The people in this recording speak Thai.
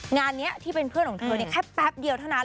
งานนี้ที่เป็นเพื่อนของเธอแค่แป๊บเดียวเท่านั้น